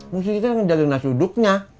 mesti kita yang jaga nasi duduknya